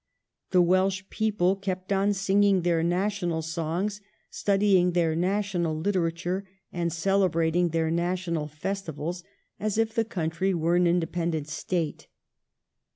The Welsh people kept on singing their national songs, studying their national Uterature, and celebrating their national festivals as if the country were an independent State.